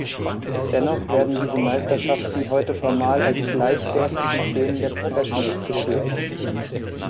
Dennoch werden diese Meisterschaften heute formal als gleichwertig mit denen der Professionals geführt.